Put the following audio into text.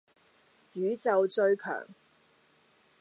宇宙最強